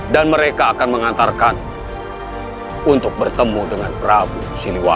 dan mereka akan mengantarkan untuk bertemu dengan prabu siliwa